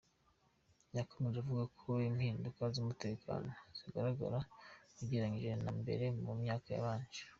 Yakomeje avuga ko impinduka z’umutekano zigaragaza ugereranyije na mbere mu myaka yabanje.